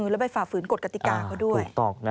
โดยระบายฝ่าฝืนกฎกติกาก็ด้วย